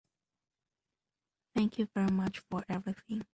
Thank you very much for everything.